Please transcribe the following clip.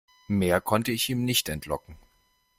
Mehr konnte ich ihm nicht entlocken.